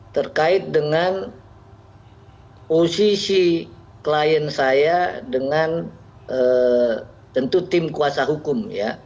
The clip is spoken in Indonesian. terkait dengan posisi klien saya dengan tentu tim kuasa hukum